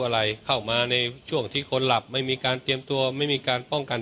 อะไรเข้ามาในช่วงที่คนหลับไม่มีการเตรียมตัวไม่มีการป้องกัน